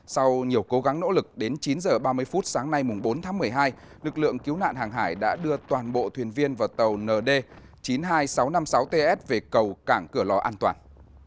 sau nhiều cố gắng nỗ lực đến chín h ba mươi phút sáng nay bốn tháng một mươi hai lực lượng cứu nạn hàng hải đã đưa toàn bộ thuyền viên vào tàu nd chín mươi hai nghìn sáu trăm năm mươi sáu ts về cầu cảng cửa lò an toàn